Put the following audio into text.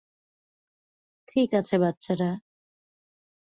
ঠিক আছে, বাচ্চারা।